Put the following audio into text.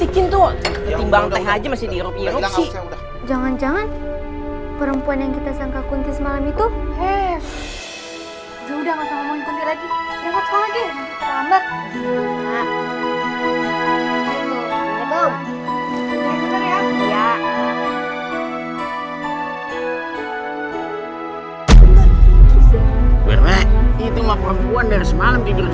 itu mah perempuan dari semalam tidur di sini